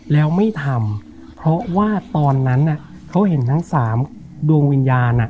แล้วไม่ทำเพราะว่าตอนนั้นเขาเห็นทั้งสามดวงวิญญาณ